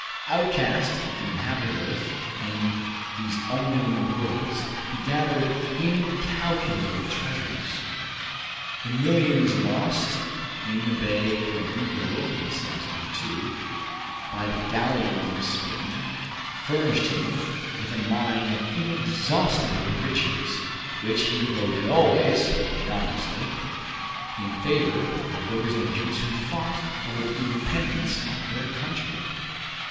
Outcast of the inhabited earth in these unknown worlds he gathered incalculable treasures. The millions lost in the Bay of Vigo, in 1702, by the galleons of Spain, furnished him with a mine of inexhaustible riches which he devoted always, anonymously, in favor of those nations who fought for the independence of their country.